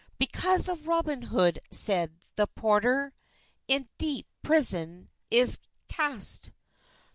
"Because of Robyn Hode," seid [the] porter, "In depe prison is cast.